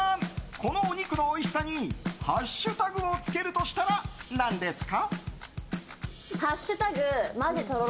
このお肉のおいしさにハッシュタグをつけるとしたら何ですか？